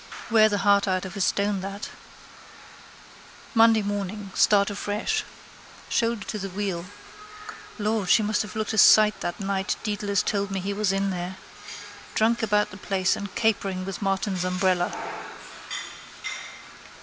Wear the heart out of a stone, that. Monday morning. Start afresh. Shoulder to the wheel. Lord, she must have looked a sight that night Dedalus told me he was in there. Drunk about the place and capering with Martin's umbrella.